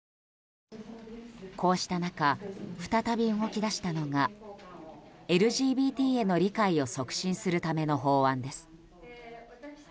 こうした中再び動き出したのがＬＧＢＴへの理解を促進するための法案です。